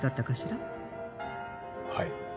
はい。